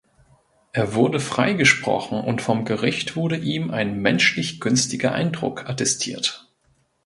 Er wurde freigesprochen und vom Gericht wurde ihm ein „menschlich günstiger Eindruck“ attestiert.